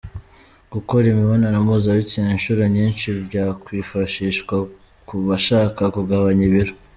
Gukora imibonano mpuzabitsina inshuro nyinshi byakwifashishwa ku bashaka kugabanya ibiro